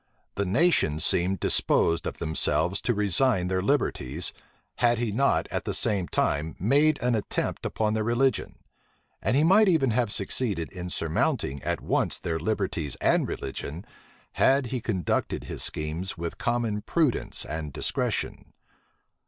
The nation seemed disposed of themselves to resign their liberties, had he not, at the same time, made an attempt upon their religion: and he might even have succeeded in surmounting at once their liberties and religion, had he conducted his schemes with common prudence and discretion.